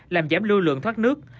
làm giảm lưu lượng thoát nước